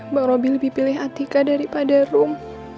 bang robi lebih pilih atika daripada rum